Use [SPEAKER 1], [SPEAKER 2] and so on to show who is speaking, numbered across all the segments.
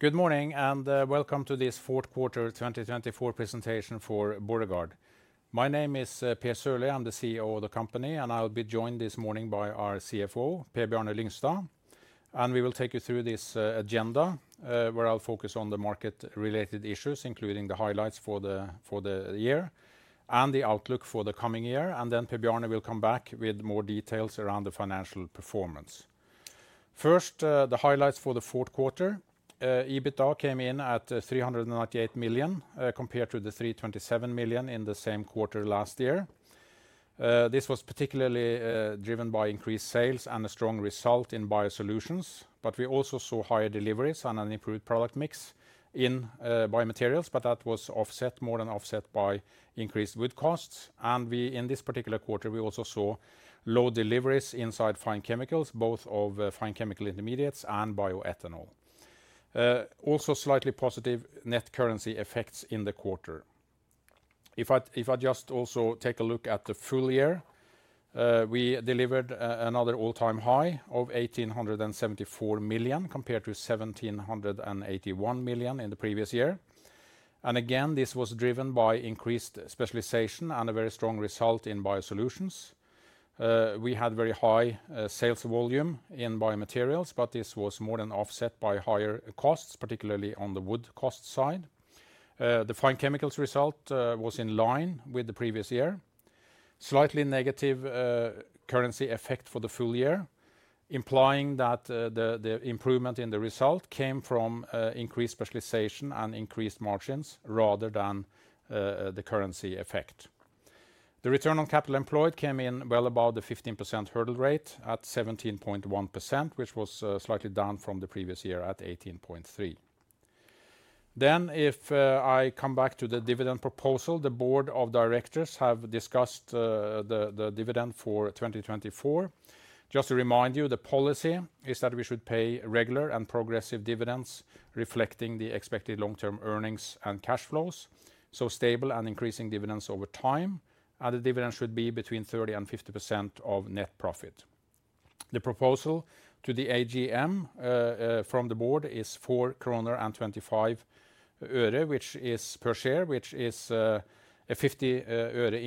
[SPEAKER 1] Good morning and welcome to this fourth quarter 2024 presentation for Borregaard. My name is Per Sørlie. I'm the CEO of the company, and I'll be joined this morning by our CFO, Per Bjarne Lyngstad, and we will take you through this agenda, where I'll focus on the market-related issues, including the highlights for the year and the outlook for the coming year, and then Per Bjarne will come back with more details around the financial performance. First, the highlights for the fourth quarter. EBITDA came in at 398 million compared to the 327 million in the same quarter last year. This was particularly driven by increased sales and a strong result in BioSolutions. But we also saw higher deliveries and an improved product mix in BioMaterials, but that was offset, more than offset, by increased input costs. And in this particular quarter, we also saw low deliveries inside Fine Chemicals, both of fine chemical intermediates and bioethanol. Also, slightly positive net currency effects in the quarter. If I just also take a look at the full year, we delivered another all-time high of 1,874 million compared to 1,781 million in the previous year. And again, this was driven by increased specialization and a very strong result in BioSolutions. We had very high sales volume in BioMaterials, but this was more than offset by higher costs, particularly on the wood cost side. The Fine Chemicals result was in line with the previous year. Slightly negative currency effect for the full year, implying that the improvement in the result came from increased specialization and increased margins rather than the currency effect. The return on capital employed came in well above the 15% hurdle rate at 17.1%, which was slightly down from the previous year at 18.3%. Then, if I come back to the dividend proposal, the board of directors have discussed the dividend for 2024. Just to remind you, the policy is that we should pay regular and progressive dividends, reflecting the expected long-term earnings and cash flows. So stable and increasing dividends over time, and the dividend should be between 30% and 50% of net profit. The proposal to the AGM from the board is 4.25 kroner per share, which is a NOK 50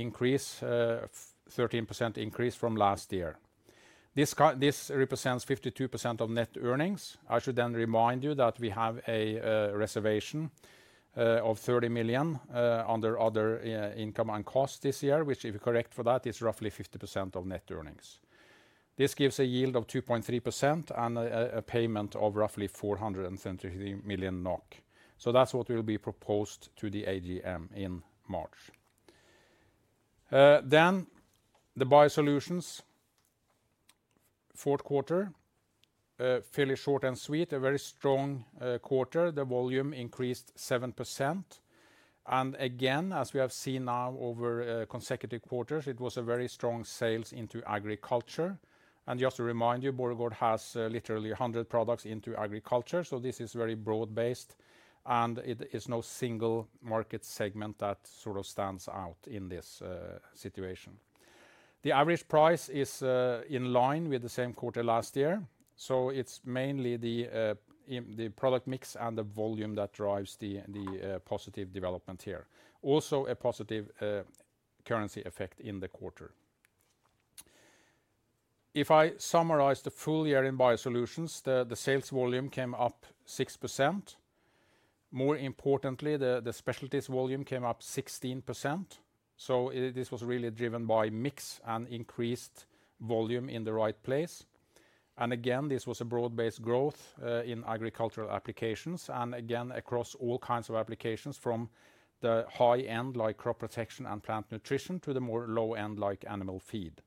[SPEAKER 1] increase, 13% increase from last year. This represents 52% of net earnings. I should then remind you that we have a reservation of 30 million under other income and costs this year, which, if you correct for that, is roughly 50% of net earnings. This gives a yield of 2.3% and a payment of roughly 473 million NOK, so that's what will be proposed to the AGM in March. Then the BioSolutions. Fourth quarter, fairly short and sweet, a very strong quarter. The volume increased 7%, and again, as we have seen now over consecutive quarters, it was a very strong sales into agriculture, and just to remind you, Borregaard has literally 100 products into agriculture, so this is very broad-based, and there is no single market segment that sort of stands out in this situation. The average price is in line with the same quarter last year, so it's mainly the product mix and the volume that drives the positive development here, also, a positive currency effect in the quarter. If I summarize the full year in BioSolutions, the sales volume came up 6%. More importantly, the specialties volume came up 16%. This was really driven by mix and increased volume in the right place. And again, this was a broad-based growth in agricultural applications, and again, across all kinds of applications from the high-end, like crop protection and plant nutrition, to the more low-end, like animal feed.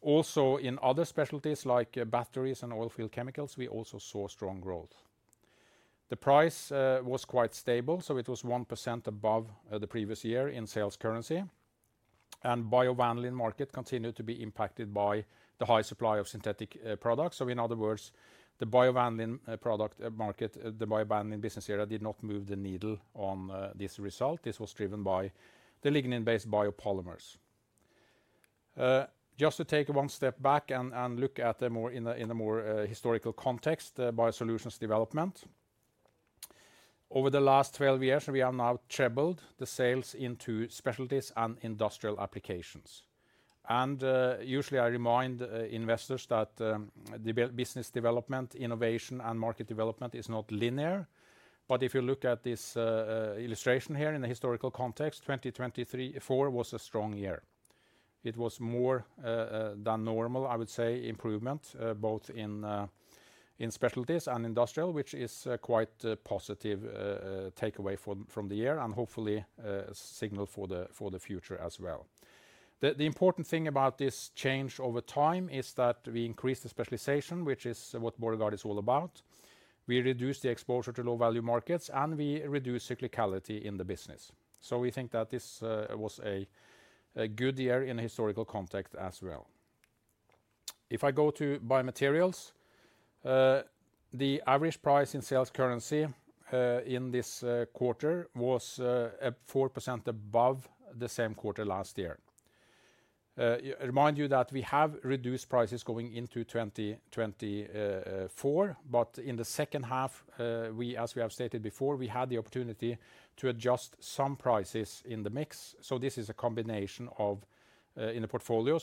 [SPEAKER 1] Also, in other specialties like batteries and oilfield chemicals, we also saw strong growth. The price was quite stable, so it was 1% above the previous year in sales currency. And the bio-vanillin market continued to be impacted by the high supply of synthetic products. So, in other words, the bio-vanillin product market, the bio-vanillin business area did not move the needle on this result. This was driven by the lignin-based biopolymers. Just to take one step back and look at it in a more historical context, the BioSolutions development. Over the last 12 years, we have now trebled the sales into specialties and industrial applications, and usually, I remind investors that the business development, innovation, and market development is not linear, but if you look at this illustration here in the historical context, 2024 was a strong year. It was more than normal, I would say, improvement both in specialties and industrial, which is quite a positive takeaway from the year and hopefully a signal for the future as well. The important thing about this change over time is that we increased the specialization, which is what Borregaard is all about. We reduced the exposure to low-value markets, and we reduced cyclicality in the business, so we think that this was a good year in a historical context as well. If I go to BioMaterials, the average price in sales currency in this quarter was 4% above the same quarter last year. I remind you that we have reduced prices going into 2024, but in the second half, as we have stated before, we had the opportunity to adjust some prices in the mix. So this is a combination of, in the portfolio,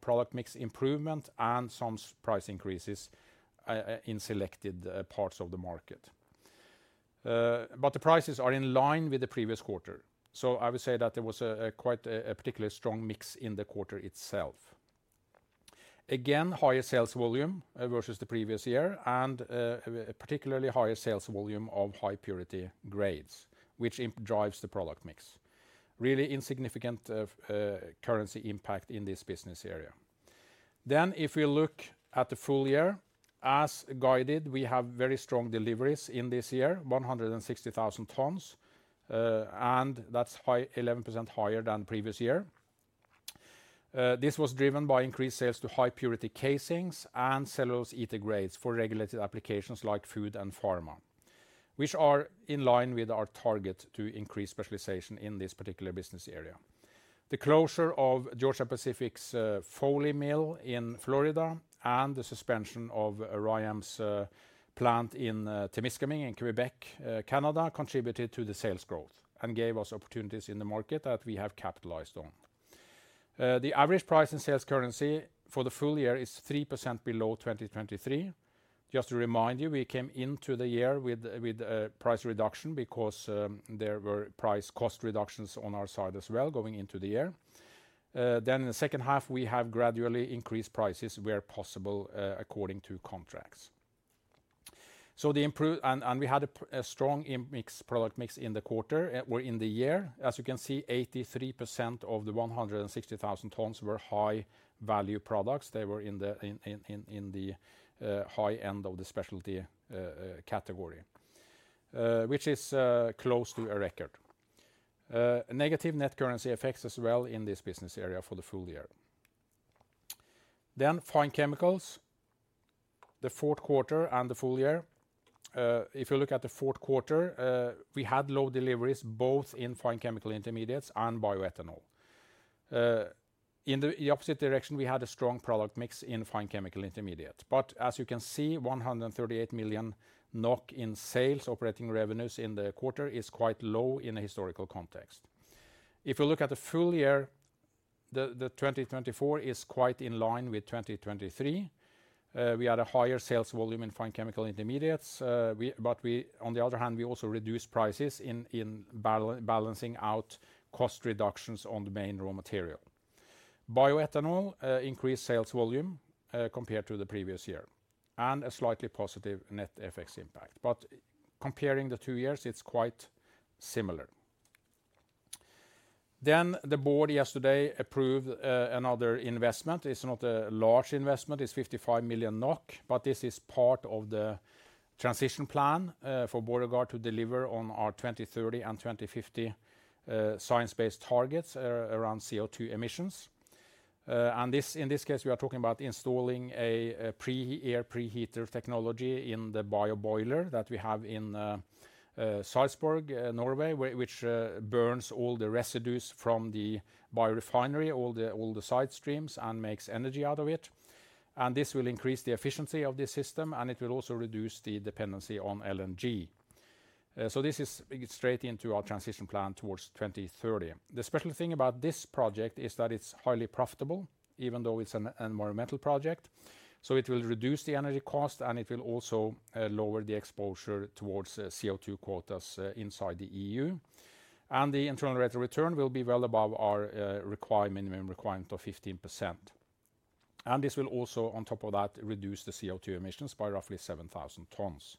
[SPEAKER 1] product mix improvement and some price increases in selected parts of the market. But the prices are in line with the previous quarter. So I would say that there was quite a particularly strong mix in the quarter itself. Again, higher sales volume versus the previous year, and particularly higher sales volume of high-purity grades, which drives the product mix. Really insignificant currency impact in this business area. Then, if we look at the full year, as guided, we have very strong deliveries in this year, 160,000 tons, and that's 11% higher than previous year. This was driven by increased sales to high-purity casings and cellulose ether grades for regulated applications like food and pharma, which are in line with our target to increase specialization in this particular business area. The closure of Georgia-Pacific's Foley Mill in Florida and the suspension of RYAM's plant in Témiscaming in Quebec, Canada, contributed to the sales growth and gave us opportunities in the market that we have capitalized on. The average price in sales currency for the full year is 3% below 2023. Just to remind you, we came into the year with a price reduction because there were price cost reductions on our side as well going into the year. Then, in the second half, we have gradually increased prices where possible according to contracts. And we had a strong product mix in the quarter or in the year. As you can see, 83% of the 160,000 tons were high-value products. They were in the high end of the specialty category, which is close to a record. Negative net currency effects as well in this business area for the full year. Then, Fine Chemicals. The fourth quarter and the full year. If you look at the fourth quarter, we had low deliveries both in fine chemical intermediates and bioethanol. In the opposite direction, we had a strong product mix in fine chemical intermediates. But as you can see, 138 million NOK in sales operating revenues in the quarter is quite low in a historical context. If you look at the full year, the 2024 is quite in line with 2023. We had a higher sales volume in fine chemical intermediates, but on the other hand, we also reduced prices in balancing out cost reductions on the main raw material. Bioethanol increased sales volume compared to the previous year and a slightly positive net effects impact. But comparing the two years, it's quite similar. Then, the board yesterday approved another investment. It's not a large investment. It's 55 million NOK, but this is part of the transition plan for Borregaard to deliver on our 2030 and 2050 science-based targets around CO2 emissions. In this case, we are talking about installing an air preheater in the bioboiler that we have in Sarpsborg, Norway, which burns all the residues from the biorefinery, all the side streams, and makes energy out of it. This will increase the efficiency of this system, and it will also reduce the dependency on LNG. This is straight into our transition plan towards 2030. The special thing about this project is that it's highly profitable, even though it's an environmental project. It will reduce the energy cost, and it will also lower the exposure towards CO2 quotas inside the EU. The internal rate of return will be well above our required minimum requirement of 15%. This will also, on top of that, reduce the CO2 emissions by roughly 7,000 tons.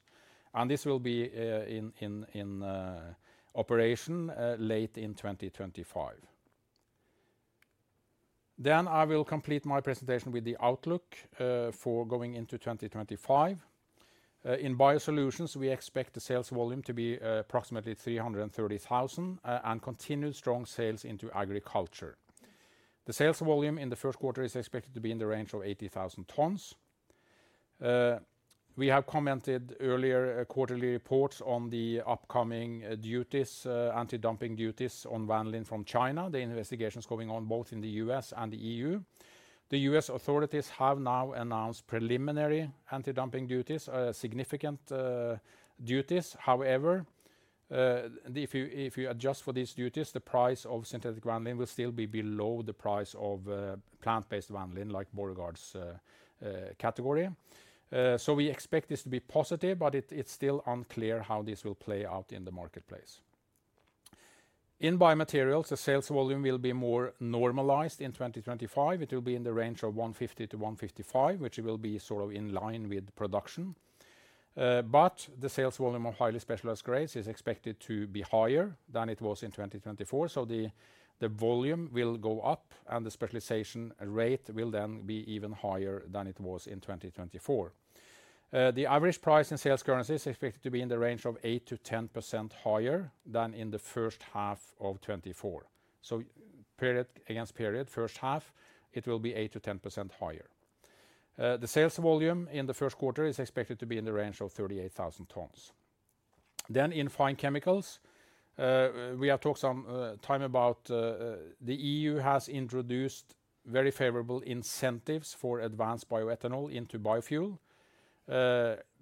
[SPEAKER 1] This will be in operation late in 2025. I will complete my presentation with the outlook for going into 2025. In BioSolutions, we expect the sales volume to be approximately 330,000 and continued strong sales into agriculture. The sales volume in the first quarter is expected to be in the range of 80,000 tons. We have commented earlier quarterly reports on the upcoming duties, anti-dumping duties on vanillin from China, the investigations going on both in the U.S. and the E.U. The U.S. authorities have now announced preliminary anti-dumping duties, significant duties. However, if you adjust for these duties, the price of synthetic vanillin will still be below the price of plant-based vanillin like Borregaard's category. So we expect this to be positive, but it's still unclear how this will play out in the marketplace. In BioMaterials, the sales volume will be more normalized in 2025. It will be in the range of 150-155, which will be sort of in line with production. But the sales volume of highly specialized grades is expected to be higher than it was in 2024. So the volume will go up, and the specialization rate will then be even higher than it was in 2024. The average price in sales currency is expected to be in the range of 8%-10% higher than in the first half of 2024. So period against period, first half, it will be 8%-10% higher. The sales volume in the first quarter is expected to be in the range of 38,000 tons. Then in Fine Chemicals, we have talked some time about the EU has introduced very favorable incentives for advanced bioethanol into biofuel.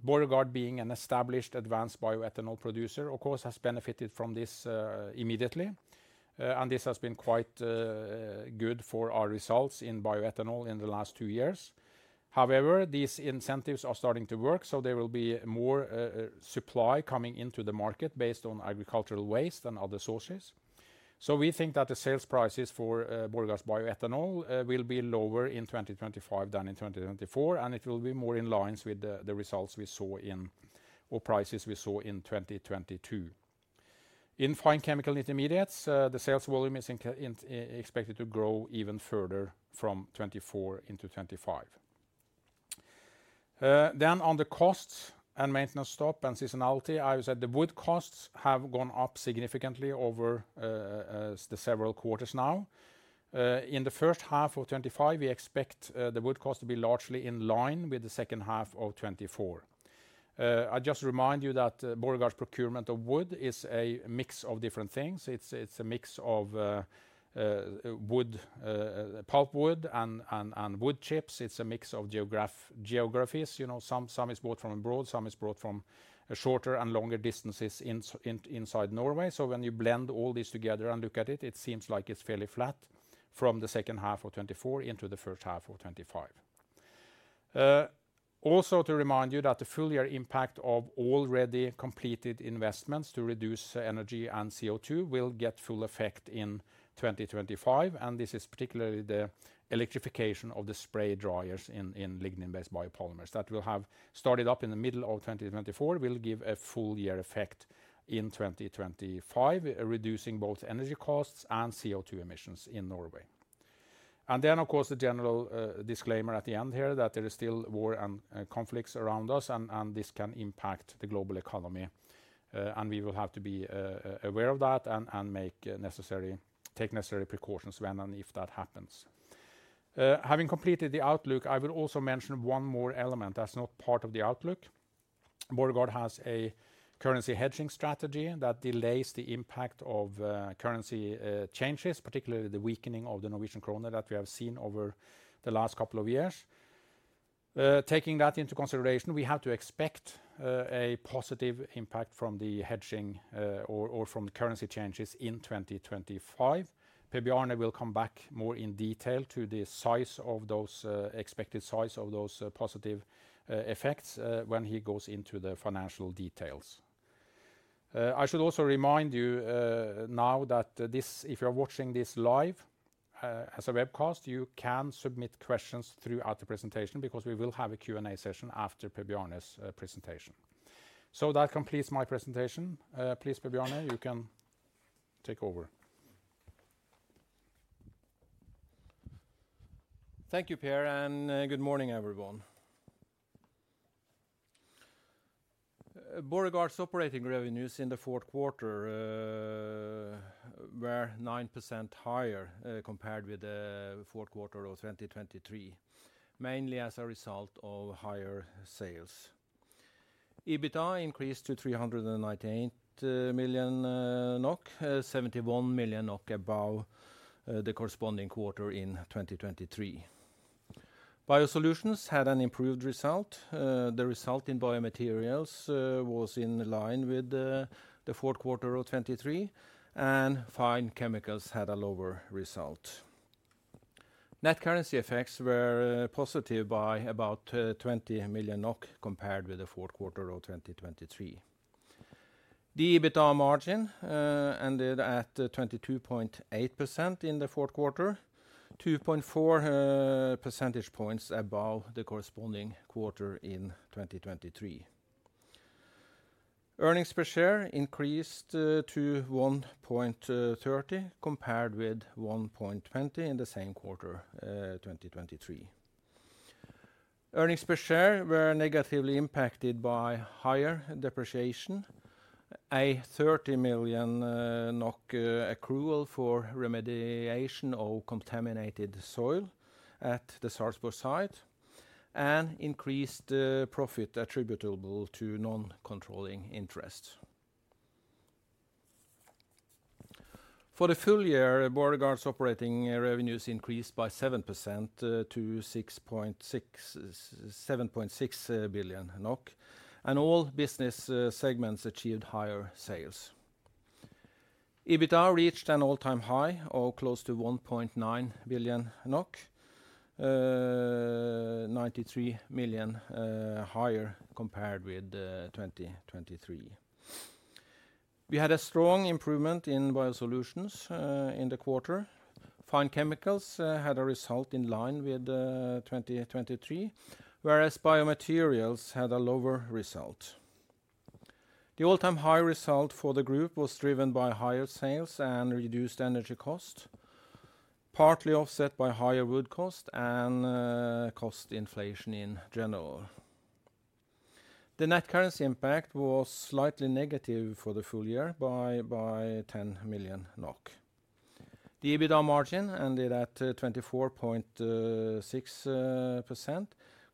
[SPEAKER 1] Borregaard, being an established advanced bioethanol producer, of course, has benefited from this immediately. And this has been quite good for our results in bioethanol in the last two years. However, these incentives are starting to work, so there will be more supply coming into the market based on agricultural waste and other sources. So we think that the sales prices for Borregaard's bioethanol will be lower in 2025 than in 2024, and it will be more in line with the prices we saw in 2022. In fine chemical intermediates, the sales volume is expected to grow even further from 2024 into 2025. Then on the costs and maintenance stop and seasonality, I would say the wood costs have gone up significantly over the several quarters now. In the first half of 2025, we expect the wood cost to be largely in line with the second half of 2024. I just remind you that Borregaard's procurement of wood is a mix of different things. It's a mix of wood, pulp wood, and wood chips. It's a mix of geographies. Some is bought from abroad. Some is bought from shorter and longer distances inside Norway. So when you blend all these together and look at it, it seems like it's fairly flat from the second half of 2024 into the first half of 2025. Also, to remind you that the full year impact of already completed investments to reduce energy and CO2 will get full effect in 2025. And this is particularly the electrification of the spray dryers in lignin-based biopolymers that will have started up in the middle of 2024, will give a full year effect in 2025, reducing both energy costs and CO2 emissions in Norway. And then, of course, the general disclaimer at the end here that there is still war and conflicts around us, and this can impact the global economy. And we will have to be aware of that and take necessary precautions when and if that happens. Having completed the outlook, I will also mention one more element that's not part of the outlook. Borregaard has a currency hedging strategy that delays the impact of currency changes, particularly the weakening of the Norwegian krone that we have seen over the last couple of years. Taking that into consideration, we have to expect a positive impact from the hedging or from the currency changes in 2025. Per Bjarne will come back more in detail to the size of those positive effects when he goes into the financial details. I should also remind you now that if you're watching this live as a webcast, you can submit questions throughout the presentation because we will have a Q&A session after Per Bjarne's presentation. So that completes my presentation. Please, Per Bjarne, you can take over.
[SPEAKER 2] Thank you, Per, and good morning, everyone. Borregaard's operating revenues in the fourth quarter were 9% higher compared with the fourth quarter of 2023, mainly as a result of higher sales. EBITDA increased to 398 million NOK, 71 million NOK above the corresponding quarter in 2023. BioSolutions had an improved result. The result in BioMaterials was in line with the fourth quarter of 2023, and Fine Chemicals had a lower result. Net currency effects were positive by about 20 million NOK compared with the fourth quarter of 2023. The EBITDA margin ended at 22.8% in the fourth quarter, 2.4 percentage points above the corresponding quarter in 2023. Earnings per share increased to 1.30 compared with 1.20 in the same quarter 2023. Earnings per share were negatively impacted by higher depreciation, a 30 million NOK accrual for remediation of contaminated soil at the Sarpsborg site, and increased profit attributable to non-controlling interests. For the full year, Borregaard's operating revenues increased by 7% to 7.6 billion NOK, and all business segments achieved higher sales. EBITDA reached an all-time high of close to 1.9 billion NOK, 93 million higher compared with 2023. We had a strong improvement in BioSolutions in the quarter. Fine Chemicals had a result in line with 2023, whereas BioMaterials had a lower result. The all-time high result for the group was driven by higher sales and reduced energy cost, partly offset by higher wood cost and cost inflation in general. The net currency impact was slightly negative for the full year by 10 million NOK. The EBITDA margin ended at 24.6%,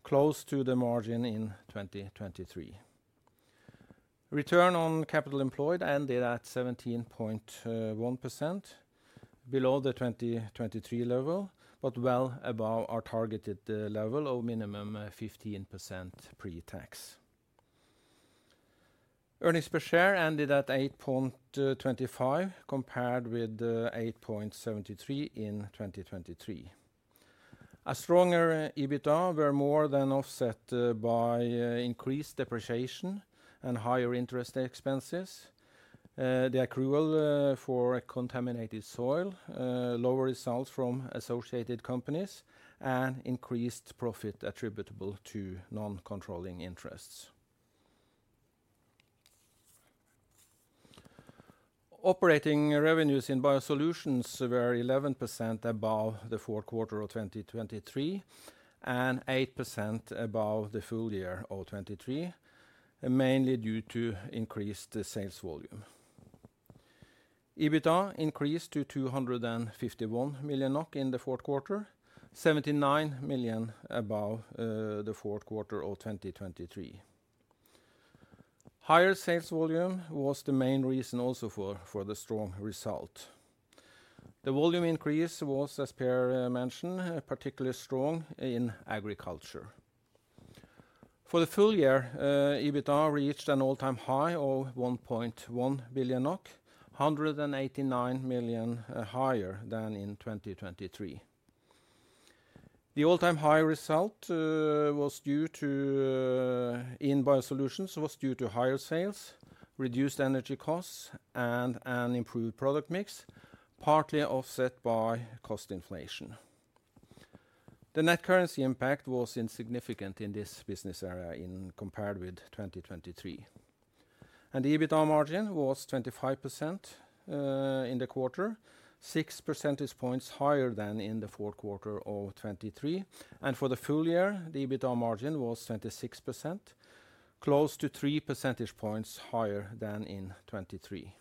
[SPEAKER 2] close to the margin in 2023. Return on capital employed ended at 17.1%, below the 2023 level, but well above our targeted level of minimum 15% pre-tax. Earnings per share ended at 8.25 compared with 8.73 in 2023. A stronger EBITDA was more than offset by increased depreciation and higher interest expenses, the accrual for contaminated soil, lower results from associated companies, and increased profit attributable to non-controlling interests. Operating revenues in BioSolutions were 11% above the fourth quarter of 2023 and 8% above the full year of 2023, mainly due to increased sales volume. EBITDA increased to 251 million NOK in the fourth quarter, 79 million above the fourth quarter of 2023. Higher sales volume was the main reason also for the strong result. The volume increase was, as Per mentioned, particularly strong in agriculture. For the full year, EBITDA reached an all-time high of 1.1 billion NOK, 189 million higher than in 2023. The all-time high result in BioSolutions was due to higher sales, reduced energy costs, and an improved product mix, partly offset by cost inflation. The net currency impact was insignificant in this business area compared with 2023. The EBITDA margin was 25% in the quarter, 6 percentage points higher than in the fourth quarter of 2023. For the full year, the EBITDA margin was 26%, close to 3 percentage points higher than in 2023.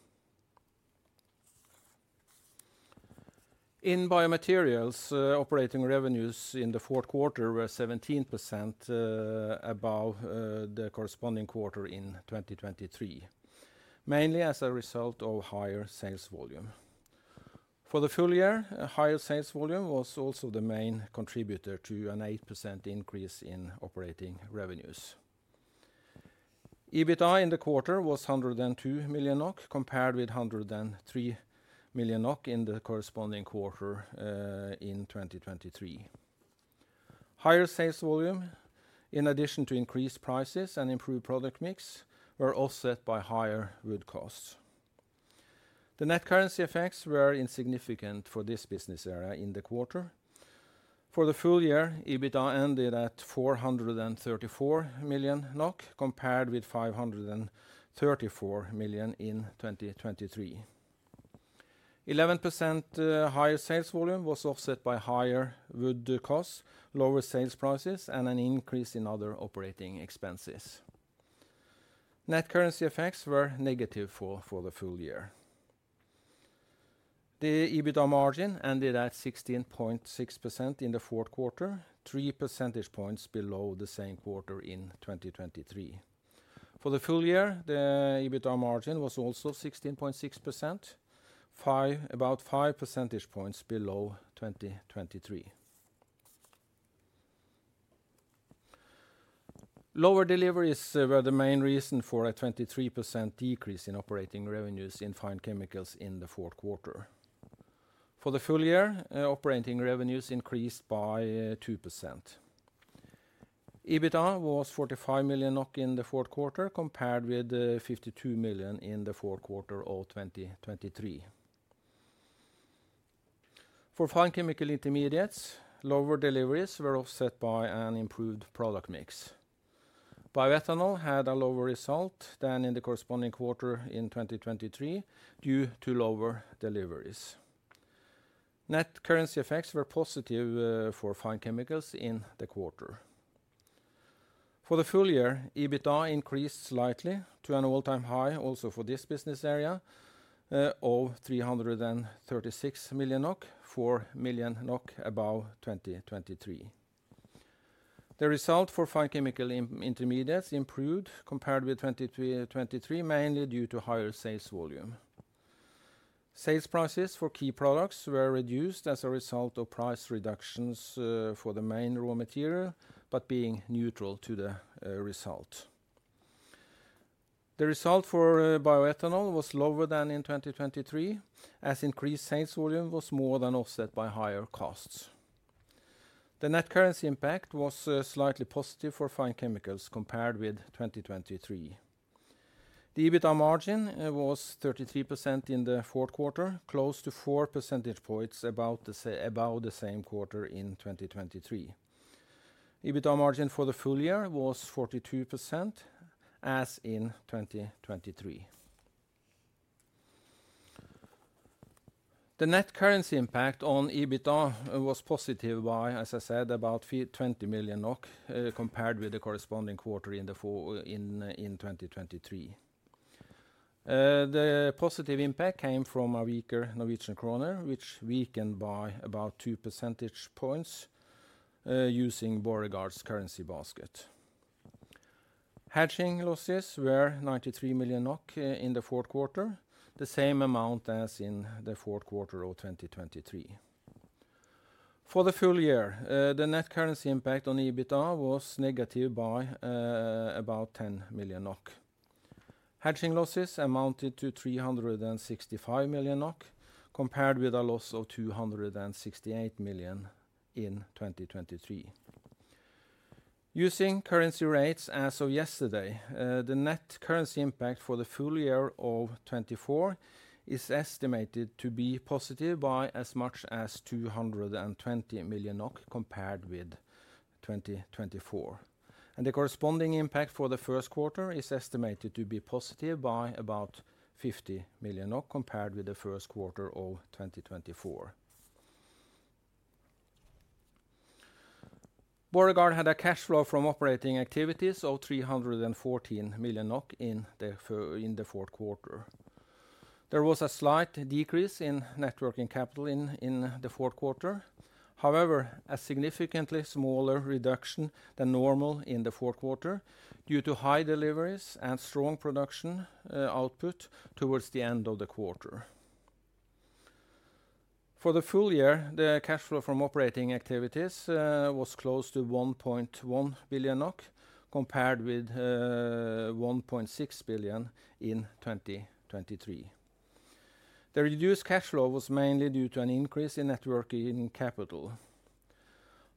[SPEAKER 2] In BioMaterials, operating revenues in the fourth quarter were 17% above the corresponding quarter in 2023, mainly as a result of higher sales volume. For the full year, higher sales volume was also the main contributor to an 8% increase in operating revenues. EBITDA in the quarter was 102 million NOK compared with 103 million NOK in the corresponding quarter in 2023. Higher sales volume, in addition to increased prices and improved product mix, were offset by higher wood costs. The net currency effects were insignificant for this business area in the quarter. For the full year, EBITDA ended at 434 million NOK compared with 534 million in 2023. 11% higher sales volume was offset by higher wood costs, lower sales prices, and an increase in other operating expenses. Net currency effects were negative for the full year. The EBITDA margin ended at 16.6% in the fourth quarter, 3 percentage points below the same quarter in 2023. For the full year, the EBITDA margin was also 16.6%, about 5 percentage points below 2023. Lower deliveries were the main reason for a 23% decrease in operating revenues in Fine Chemicals in the fourth quarter. For the full year, operating revenues increased by 2%. EBITDA was 45 million NOK in the fourth quarter compared with 52 million in the fourth quarter of 2023. For fine chemical intermediates, lower deliveries were offset by an improved product mix. Bioethanol had a lower result than in the corresponding quarter in 2023 due to lower deliveries. Net currency effects were positive for Fine Chemicals in the quarter. For the full year, EBITDA increased slightly to an all-time high also for this business area of 336 million NOK, 4 million NOK above 2023. The result for fine chemical intermediates improved compared with 2023, mainly due to higher sales volume. Sales prices for key products were reduced as a result of price reductions for the main raw material, but being neutral to the result. The result for bioethanol was lower than in 2023, as increased sales volume was more than offset by higher costs. The net currency impact was slightly positive for Fine Chemicals compared with 2023. The EBITDA margin was 33% in the fourth quarter, close to 4 percentage points above the same quarter in 2023. EBITDA margin for the full year was 42% as in 2023. The net currency impact on EBITDA was positive by, as I said, about 20 million NOK compared with the corresponding quarter in 2023. The positive impact came from a weaker Norwegian krone, which weakened by about 2 percentage points using Borregaard's currency basket. Hedging losses were 93 million NOK in the fourth quarter, the same amount as in the fourth quarter of 2023. For the full year, the net currency impact on EBITDA was negative by about 10 million NOK. Hedging losses amounted to 365 million NOK compared with a loss of 268 million in 2023. Using currency rates as of yesterday, the net currency impact for the full year of 2024 is estimated to be positive by as much as 220 million NOK compared with 2024. The corresponding impact for the first quarter is estimated to be positive by about 50 million NOK compared with the first quarter of 2024. Borregaard had a cash flow from operating activities of 314 million NOK in the fourth quarter. There was a slight decrease in net working capital in the fourth quarter. However, a significantly smaller reduction than normal in the fourth quarter due to high deliveries and strong production output towards the end of the quarter. For the full year, the cash flow from operating activities was close to 1.1 billion NOK compared with 1.6 billion NOK in 2023. The reduced cash flow was mainly due to an increase in net working capital.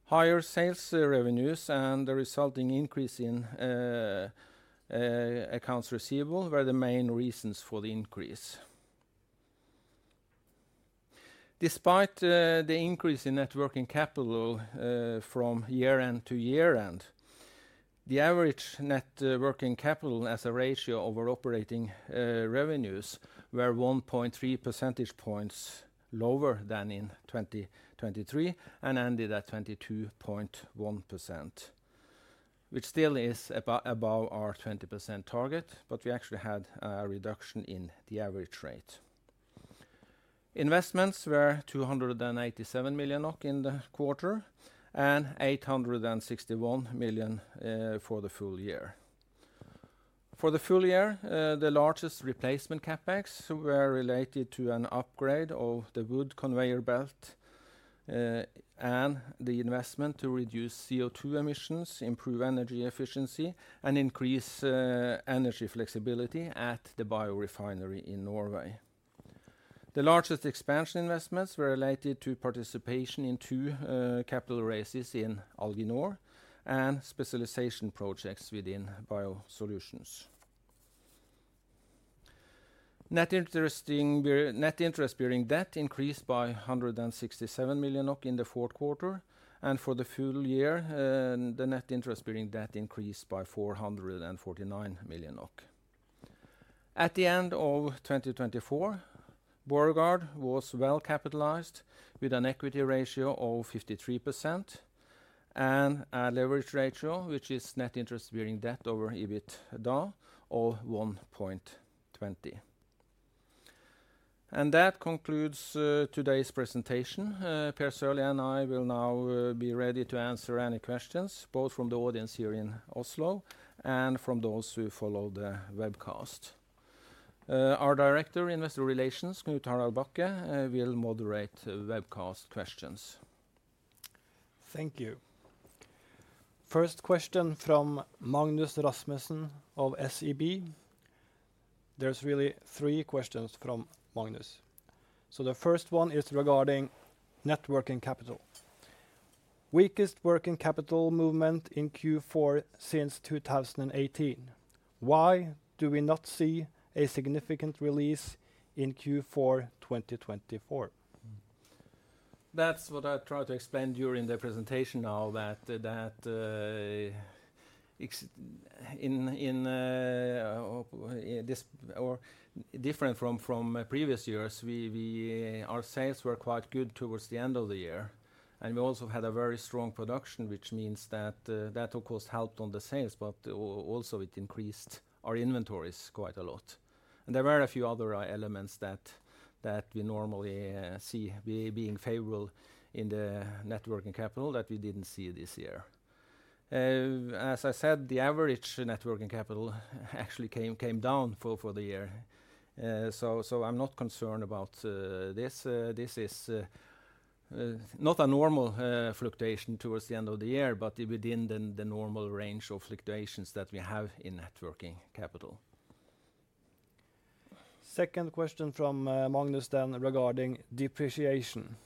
[SPEAKER 2] Higher sales revenues and the resulting increase in accounts receivable were the main reasons for the increase. Despite the increase in net working capital from year-end to year-end, the average net working capital as a ratio over operating revenues were 1.3 percentage points lower than in 2023 and ended at 22.1%, which still is above our 20% target, but we actually had a reduction in the average rate. Investments were 287 million NOK in the quarter and 861 million for the full year. For the full year, the largest replacement CapEx were related to an upgrade of the wood conveyor belt and the investment to reduce CO2 emissions, improve energy efficiency, and increase energy flexibility at the biorefinery in Norway. The largest expansion investments were related to participation in two capital raises in Alginor and specialization projects within BioSolutions. Net interest-bearing debt increased by 167 million NOK in the fourth quarter, and for the full year, the net interest-bearing debt increased by 449 million NOK. At the end of 2024, Borregaard was well capitalized with an equity ratio of 53% and a leverage ratio, which is net interest-bearing debt over EBITDA of 1.20, and that concludes today's presentation. Per Sørlie and I will now be ready to answer any questions, both from the audience here in Oslo and from those who follow the webcast. Our director of investor relations, Knut-Harald Bakke, will moderate webcast questions.
[SPEAKER 3] Thank you. First question from Magnus Rasmussen of SEB. There's really three questions from Magnus. So the first one is regarding net working capital. Weakest net working capital movement in Q4 since 2018. Why do we not see a significant release in Q4 2024?
[SPEAKER 2] That's what I try to explain during the presentation now, that in this or different from previous years, our sales were quite good towards the end of the year. We also had a very strong production, which means that, of course, helped on the sales, but also it increased our inventories quite a lot. There were a few other elements that we normally see being favorable in the net working capital that we didn't see this year. As I said, the average net working capital actually came down for the year. So I'm not concerned about this. This is not a normal fluctuation towards the end of the year, but within the normal range of fluctuations that we have in net working capital.
[SPEAKER 3] Second question from Magnus then regarding depreciation.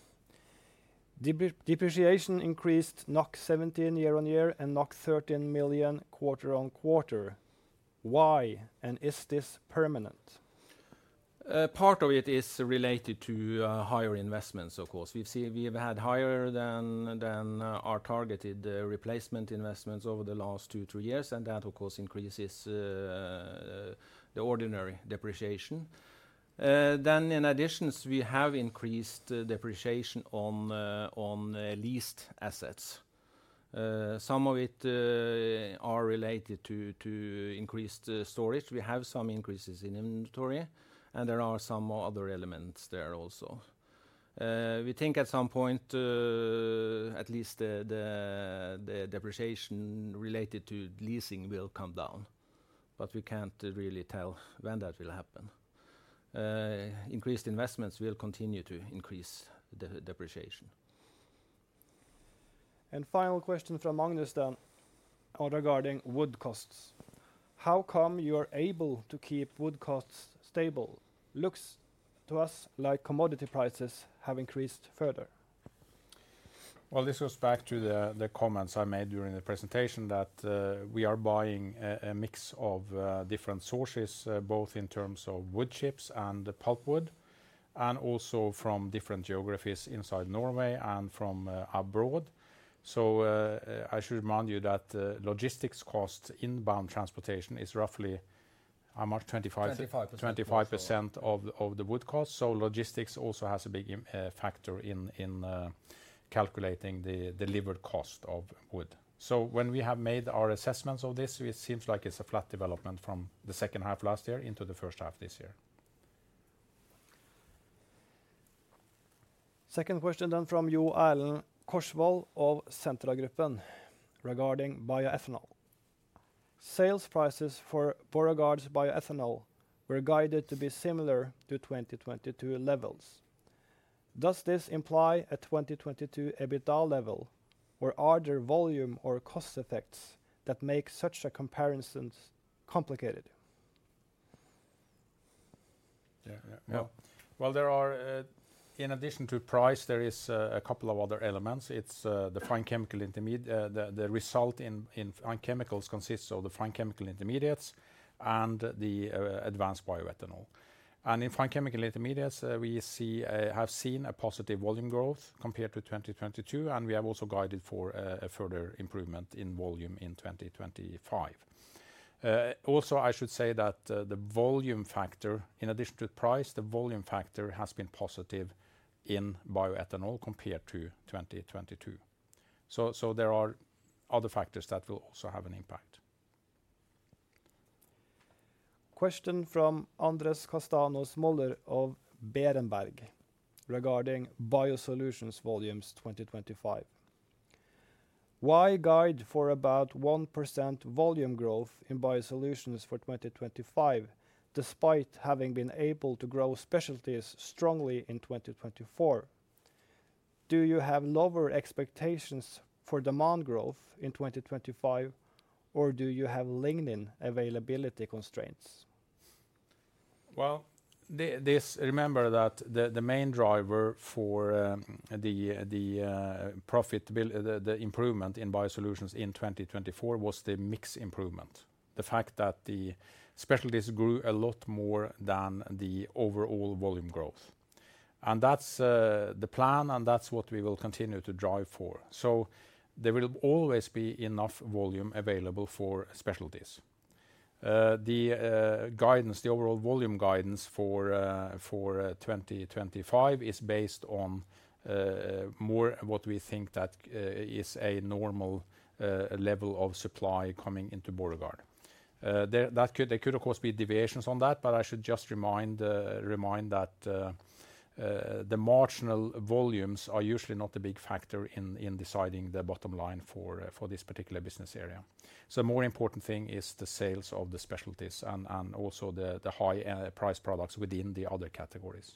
[SPEAKER 3] Depreciation increased 17 million year on year and 13 million quarter on quarter. Why? And is this permanent? Part of it is related to higher investments, of course.
[SPEAKER 2] We've had higher than our targeted replacement investments over the last two, three years, and that, of course, increases the ordinary depreciation. Then, in addition, we have increased depreciation on leased assets. Some of it are related to increased storage. We have some increases in inventory, and there are some other elements there also. We think at some point, at least the depreciation related to leasing will come down, but we can't really tell when that will happen. Increased investments will continue to increase the depreciation.
[SPEAKER 3] And final question from Magnus then regarding wood costs. How come you're able to keep wood costs stable? Looks to us like commodity prices have increased further.
[SPEAKER 2] This goes back to the comments I made during the presentation that we are buying a mix of different sources, both in terms of wood chips and pulp wood, and also from different geographies inside Norway and from abroad. I should remind you that logistics cost inbound transportation is roughly 25% of the wood cost. Logistics also has a big factor in calculating the delivered cost of wood. When we have made our assessments of this, it seems like it's a flat development from the second half of last year into the first half of this year.
[SPEAKER 3] Second question then from Jo Erlend Korsvold of Sissener AS regarding bioethanol. Sales prices for Borregaard's bioethanol were guided to be similar to 2022 levels. Does this imply a 2022 EBITDA level, or are there volume or cost effects that make such a comparison complicated? Yeah, yeah, yeah.
[SPEAKER 2] There are, in addition to price, there are a couple of other elements. The fine chemical intermediate, the result in Fine Chemicals consists of the fine chemical intermediates and the advanced bioethanol. And in fine chemical intermediates, we have seen a positive volume growth compared to 2022, and we have also guided for a further improvement in volume in 2025. Also, I should say that the volume factor, in addition to price, the volume factor has been positive in bioethanol compared to 2022. So there are other factors that will also have an impact.
[SPEAKER 3] Question from Andres Castanos-Mollor of Berenberg regarding BioSolutions volumes 2025. Why guide for about 1% volume growth in BioSolutions for 2025 despite having been able to grow specialties strongly in 2024? Do you have lower expectations for demand growth in 2025, or do you have lignin availability constraints?
[SPEAKER 2] Remember that the main driver for the improvement in BioSolutions in 2024 was the mix improvement, the fact that the specialties grew a lot more than the overall volume growth. That's the plan, and that's what we will continue to drive for. There will always be enough volume available for specialties. The overall volume guidance for 2025 is based on more what we think that is a normal level of supply coming into Borregaard. There could, of course, be deviations on that, but I should just remind that the marginal volumes are usually not a big factor in deciding the bottom line for this particular business area. The more important thing is the sales of the specialties and also the high-priced products within the other categories.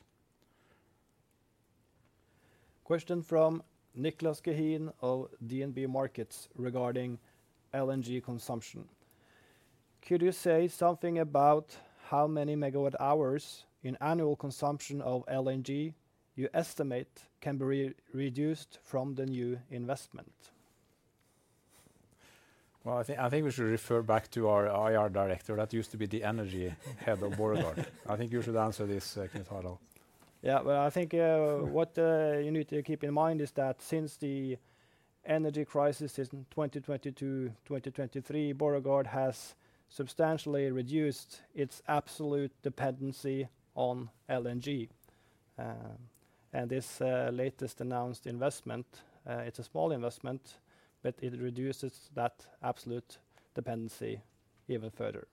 [SPEAKER 3] Question from Niclas Gehin of DNB Markets regarding LNG consumption. Could you say something about how many megawatt-hours in annual consumption of LNG you estimate can be reduced from the new investment?
[SPEAKER 2] Well, I think we should refer back to our IR director. That used to be the energy head of Borregaard. I think you should answer this Knut-Harald.
[SPEAKER 4] Yeah, well, I think what you need to keep in mind is that since the energy crisis in 2022-2023, Borregaard has substantially reduced its absolute dependency on LNG. And this latest announced investment, it's a small investment, but it reduces that absolute dependency even further.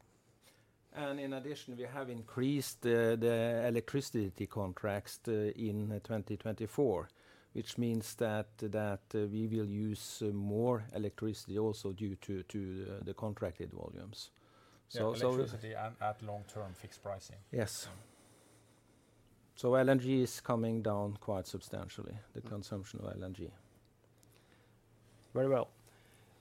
[SPEAKER 2] And in addition, we have increased the electricity contracts in 2024, which means that we will use more electricity also due to the contracted volumes. So electricity at long-term fixed pricing.
[SPEAKER 4] Yes.
[SPEAKER 2] So LNG is coming down quite substantially, the consumption of LNG. Very well.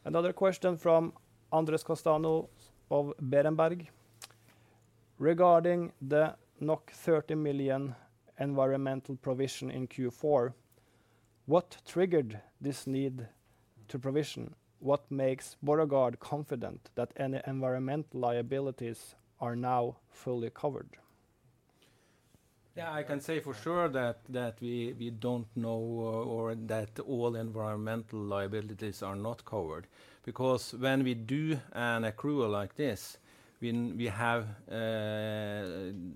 [SPEAKER 3] Another question from Andres Castanos-Mollor of Berenberg regarding the 30 million environmental provision in Q4. What triggered this need to provision? What makes Borregaard confident that any environmental liabilities are now fully covered?
[SPEAKER 2] Yeah, I can say for sure that we don't know or that all environmental liabilities are not covered. Because when we do an accrual like this, we have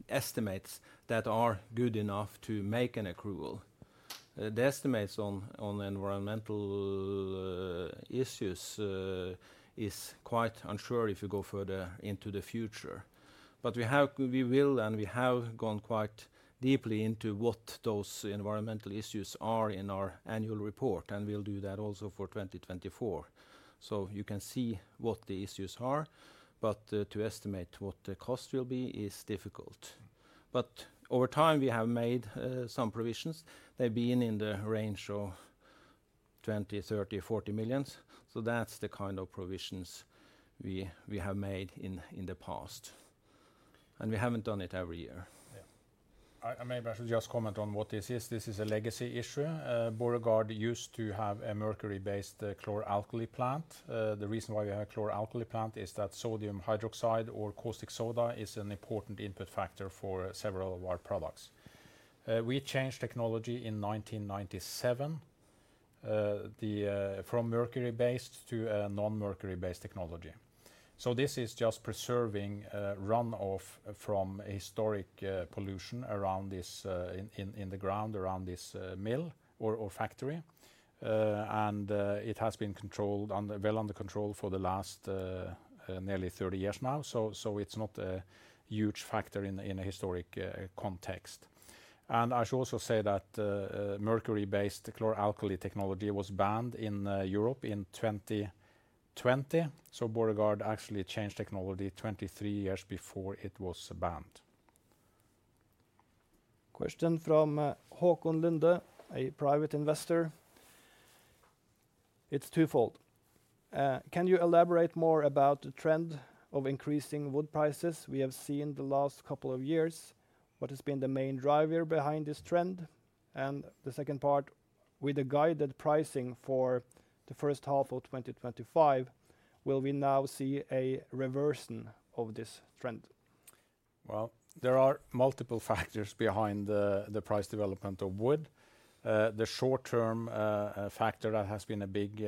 [SPEAKER 2] estimates that are good enough to make an accrual. The estimates on environmental issues are quite unsure if you go further into the future. But we will, and we have gone quite deeply into what those environmental issues are in our annual report, and we'll do that also for 2024. So you can see what the issues are, but to estimate what the cost will be is difficult. But over time, we have made some provisions. They've been in the range of 20 million, 30 million, 40 million. So that's the kind of provisions we have made in the past. And we haven't done it every year. Yeah. I maybe should just comment on what this is. This is a legacy issue. Borregaard used to have a mercury-based chloralkali plant. The reason why we have a chloralkali plant is that sodium hydroxide or caustic soda is an important input factor for several of our products. We changed technology in 1997 from mercury-based to a non-mercury-based technology. So this is just preserving runoff from historic pollution around this in the ground around this mill or factory. And it has been controlled and well under control for the last nearly 30 years now. So it's not a huge factor in a historic context. And I should also say that mercury-based chloralkali technology was banned in Europe in 2020. So Borregaard actually changed technology 23 years before it was banned.
[SPEAKER 3] Question from Håkon Lunde, a private investor. It's twofold. Can you elaborate more about the trend of increasing wood prices we have seen the last couple of years? What has been the main driver behind this trend? And the second part, with the guided pricing for the first half of 2025, will we now see a reversion of this trend?
[SPEAKER 2] There are multiple factors behind the price development of wood. The short-term factor that has been a big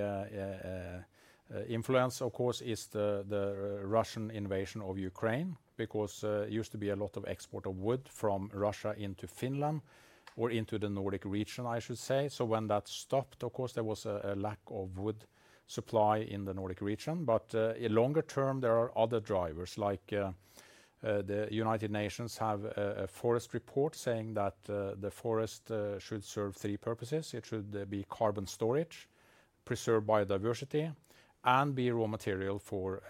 [SPEAKER 2] influence, of course, is the Russian invasion of Ukraine. Because there used to be a lot of export of wood from Russia into Finland or into the Nordic region, I should say. So when that stopped, of course, there was a lack of wood supply in the Nordic region. But in longer term, there are other drivers. Like the United Nations have a forest report saying that the forest should serve three purposes. It should be carbon storage, preserve biodiversity, and be raw material for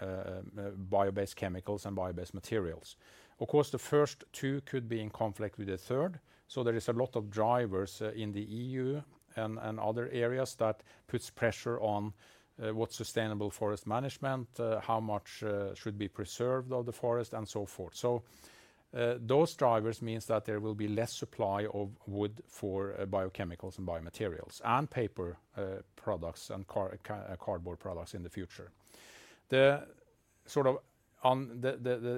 [SPEAKER 2] bio-based chemicals and bio-based materials. Of course, the first two could be in conflict with the third. So there are a lot of drivers in the EU and other areas that put pressure on what's sustainable forest management, how much should be preserved of the forest, and so forth. So those drivers mean that there will be less supply of wood for biochemicals and BioMaterials and paper products and cardboard products in the future. The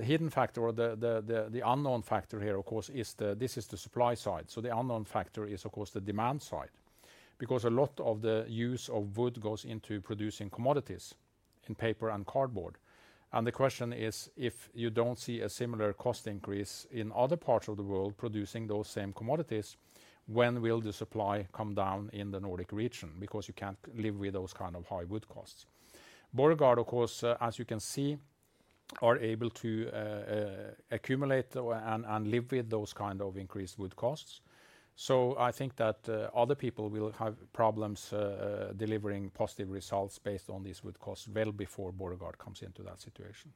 [SPEAKER 2] hidden factor or the unknown factor here, of course, is this is the supply side. So the unknown factor is, of course, the demand side. Because a lot of the use of wood goes into producing commodities in paper and cardboard. And the question is, if you don't see a similar cost increase in other parts of the world producing those same commodities, when will the supply come down in the Nordic region? Because you can't live with those kinds of high wood costs. Borregaard, of course, as you can see, are able to accumulate and live with those kinds of increased wood costs. So I think that other people will have problems delivering positive results based on these wood costs well before Borregaard comes into that situation.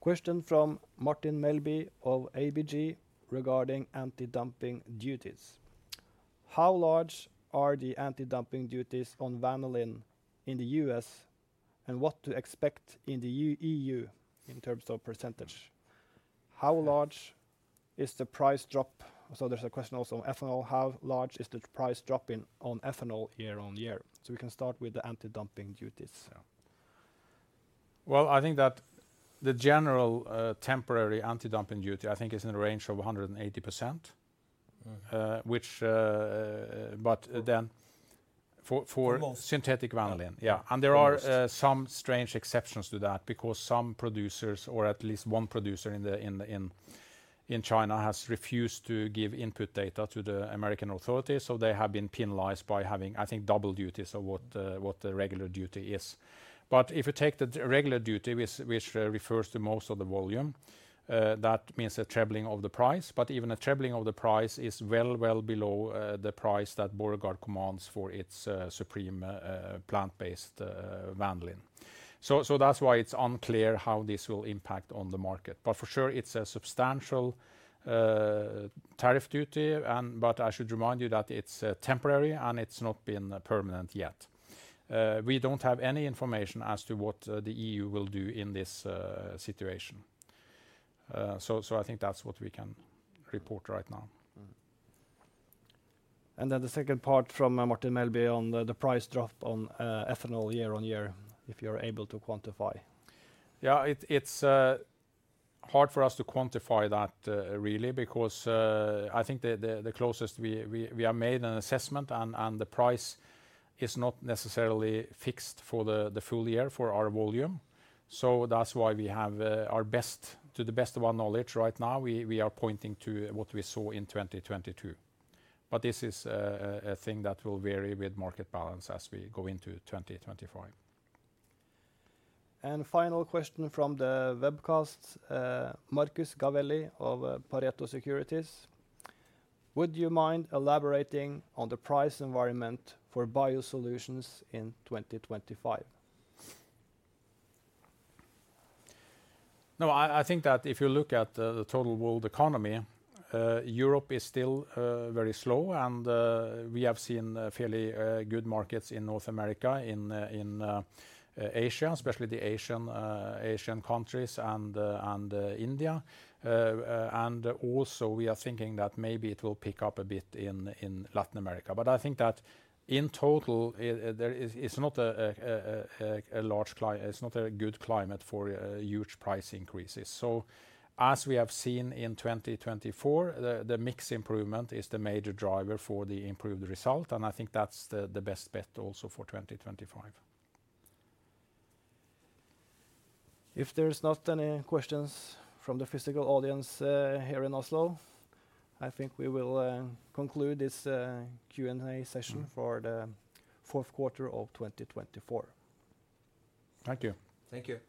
[SPEAKER 3] Question from Martin Melbye of ABG regarding anti-dumping duties. How large are the anti-dumping duties on vanillin in the U.S. and what to expect in the EU in terms of percentage? How large is the price drop? So there's a question also on ethanol. How large is the price dropping on ethanol year on year? So we can start with the anti-dumping duties.
[SPEAKER 2] I think that the general temporary anti-dumping duty, I think, is in the range of 180%. But then for synthetic vanillin, yeah. And there are some strange exceptions to that because some producers, or at least one producer in China, has refused to give input data to the American authorities. So they have been penalized by having, I think, double duties of what the regular duty is. But if you take the regular duty, which refers to most of the volume, that means a traveling of the price. But even a traveling of the price is well, well below the price that Borregaard commands for its supreme plant-based vanillin. So that's why it's unclear how this will impact on the market. But for sure, it's a substantial tariff duty. But I should remind you that it's temporary and it's not been permanent yet. We don't have any information as to what the EU will do in this situation. So I think that's what we can report right now. And then the second part from Martin Melbye on the price drop on ethanol year on year, if you're able to quantify. Yeah, it's hard for us to quantify that really because I think the closest we have made an assessment and the price is not necessarily fixed for the full year for our volume. So that's why we have our best, to the best of our knowledge right now, we are pointing to what we saw in 2022. But this is a thing that will vary with market balance as we go into 2025. And final question from the webcast, Marcus Gavelin of Pareto Securities. Would you mind elaborating on the price environment for BioSolutions in 2025?
[SPEAKER 1] No, I think that if you look at the total world economy, Europe is still very slow and we have seen fairly good markets in North America, in Asia, especially the Asian countries and India, and also we are thinking that maybe it will pick up a bit in Latin America, but I think that in total, it's not a large climate, it's not a good climate for huge price increases, so as we have seen in 2024, the mix improvement is the major driver for the improved result, and I think that's the best bet also for 2025.
[SPEAKER 3] If there's not any questions from the physical audience here in Oslo, I think we will conclude this Q&A session for the fourth quarter of 2024.
[SPEAKER 1] Thank you.
[SPEAKER 2] Thank you.